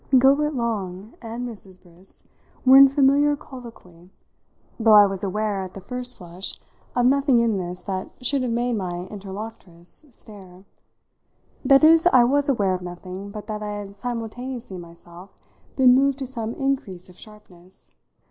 Gilbert Long and Mrs. Briss were in familiar colloquy though I was aware, at the first flush, of nothing in this that should have made my interlocutress stare. That is I was aware of nothing but that I had simultaneously myself been moved to some increase of sharpness.